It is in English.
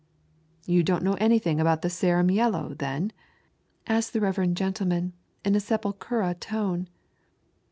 " You don't know anything ahout the Saram yellow then ?" asked the reverend gentleman in a sepulehra tone.